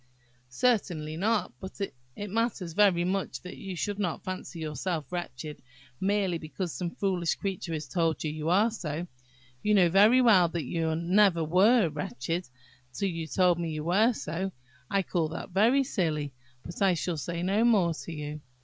"Certainly not; but it matters very much that you should not fancy yourself wretched merely because some foolish creature has told you you are so; you know very well that you never were wretched till you were told you were so. I call that very silly; but I shall say no more to you."